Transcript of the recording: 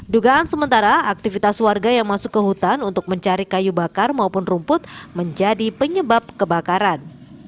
dugaan sementara aktivitas warga yang masuk ke hutan untuk mencari kayu bakar maupun rumput menjadi penyebab kebakaran